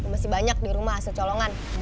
masih banyak di rumah hasil colongan